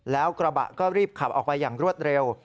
แล้วกระบะก็รีบขับออกไปอย่างรวดเร็ว